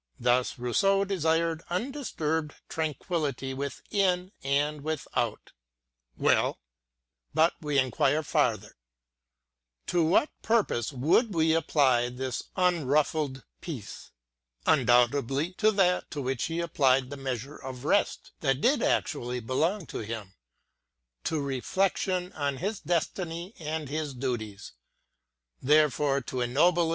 Thus Rousseau desired undisturbed tranquillity within and without. Well : but we inquire farther, — To what purpose would he apply this unruffled peace I Undoubtedly fco that, to which he applied the measure of rest thai did actually belong fco him; — to kion on his destiny and his duties, thereby to ennoble